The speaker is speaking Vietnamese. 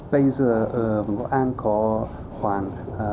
bây giờ vương quốc anh có khoảng